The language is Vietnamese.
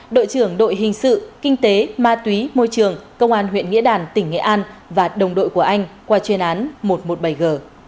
đội trưởng đội hình sự kinh tế ma túy môi trường công an huyện nghĩa đàn tỉnh nghệ an và đồng đội của anh qua chuyên án một trăm một mươi bảy g